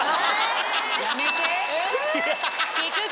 やめて。